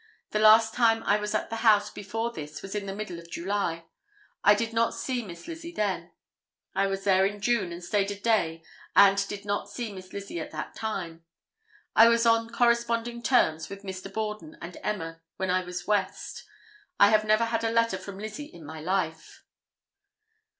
The last time I was at the house before this was in the middle of July. I did not see Miss Lizzie then. I was there in June and stayed a day and did not see Miss Lizzie at that time. I was on corresponding terms with Mr. Borden and Emma when I was West. I never had a letter from Lizzie in my life."